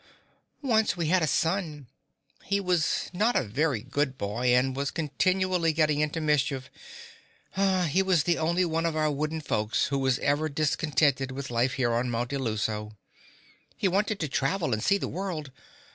Once we had a son. He was not a very good boy and was continually getting into mischief. He was the only one of our wooden folks who ever was discontented with life here on Mount Illuso. He wanted to travel and see the world.